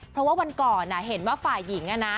เพราะว่าวันก่อนเห็นว่าฝ่ายหญิง